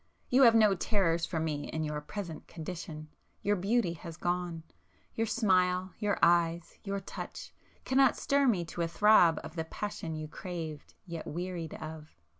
You have no terrors for me in your present condition,—your beauty has gone. Your smile, your eyes, your touch cannot stir me to a throb of the passion you craved, yet wearied of!